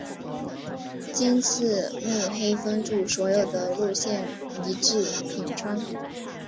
今次目黑分驻所的路线移至品川。